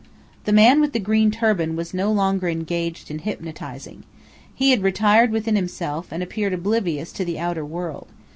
The man with the green turban was no longer engaged in hypnotizing. He had retired within himself, and appeared oblivious to the outer world.